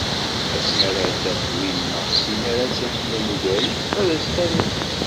asmi ara taf win neɣ tin ara tt-iḥemmlen ugar-is ad as-tanef.